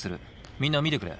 みんな見てくれ。